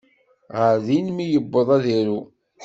Ɣer din mi yewweḍ ad iru.